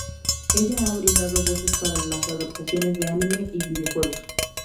Ella ha brindado voces para las adaptaciones de anime y videojuegos.